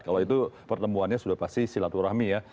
kalau itu pertemuannya sudah pasti silaturahmi ya